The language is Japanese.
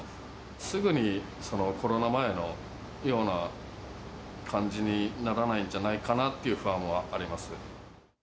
すぐにコロナ前のような感じにならないんじゃないかなという不安はあります。